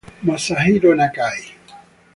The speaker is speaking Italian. Masahiro Nakai